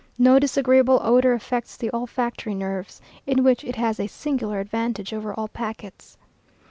No disagreeable odour affects the olfactory nerves, in which it has a singular advantage over all packets.